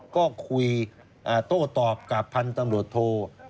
ก็คุยโต้ตอบกับพันธ์ตำรวจโท